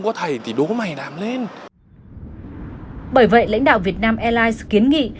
bởi vậy lãnh đạo việt nam airlines kiến nghị